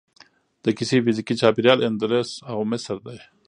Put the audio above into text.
د کیسې فزیکي چاپیریال اندلس او مصر دی.